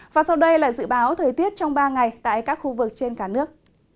và sau đây là dự báo thời tiết trong ba ngày tại các khu vực trên cả nước